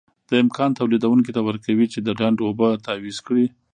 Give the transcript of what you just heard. دا امکان تولیدوونکي ته ورکوي چې د ډنډ اوبه تعویض کړي.